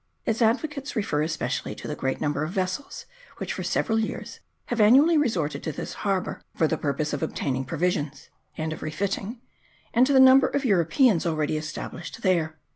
Its advocates refer especially to the great number of vessels which for several years have annually resorted to this harbour for the pur pose of obtaining provisions and of refitting, and to the number of Europeans already established there.